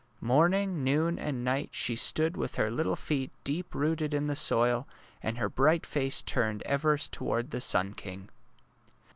Morning, noon, and night she stood with her little feet deep rooted in the soil, and her bright face turned ever toward the sun king.